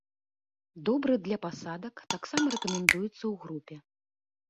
Добры для пасадак, таксама рэкамендуецца ў групе.